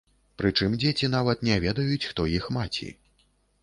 Прычым дзеці нават не ведаюць, хто іх маці.